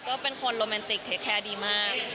ก็เป็นคนโรแมนติกเทคแคร์ดีมาก